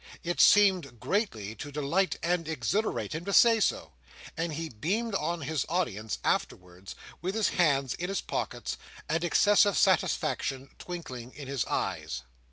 It seemed greatly to delight and exhilarate him to say so: and he beamed on his audience afterwards, with his hands in his pockets, and excessive satisfaction twinkling in his eyes.